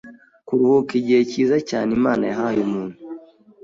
kuruhuka igihe cyiza cyane Imana yahaye umuntu